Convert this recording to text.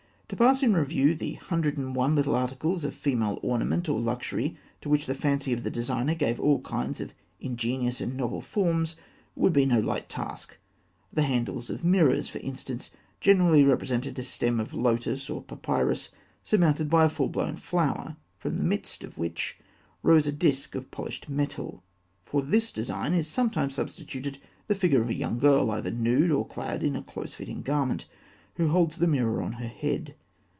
To pass in review the hundred and one little articles of female ornament or luxury to which the fancy of the designer gave all kinds of ingenious and novel forms, would be no light task. The handles of mirrors, for instance, generally represented a stem of lotus or papyrus surmounted by a full blown flower, from the midst of which rose a disk of polished metal. For this design is sometimes substituted the figure of a young girl, either nude, or clad in a close fitting garment, who holds the mirror on her head.